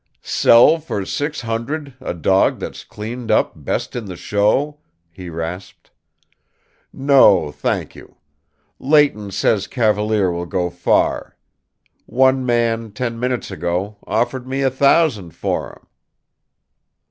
"Sell for six hundred a dog that's cleaned up 'best in the show?'" he rasped. "No, thank you. Leighton says Cavalier will go far. One man, ten minutes ago, offered me a thousand for him."